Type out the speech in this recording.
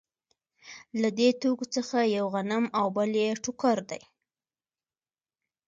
له دې توکو څخه یو غنم او بل یې ټوکر دی